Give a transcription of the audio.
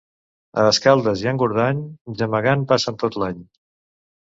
A Escaldes i Engordany gemegant passen tot l'any.